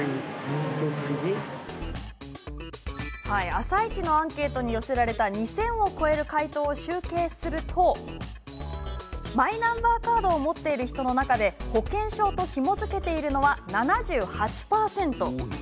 「あさイチ」のアンケートに寄せられた２０００を超える回答を集計するとマイナンバーカードを持っている人の中で保険証と、ひも付けているのは７８％。